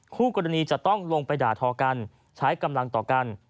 คู่กรณีจะต้องลงไปด่าทอกันใช้กำลังต่อกัน